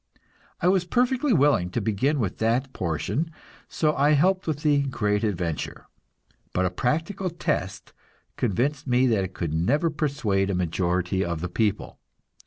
I was perfectly willing to begin with that portion, so I helped with the "Great Adventure." But a practical test convinced me that it could never persuade a majority of the people.